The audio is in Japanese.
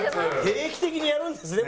定期的にやるんですね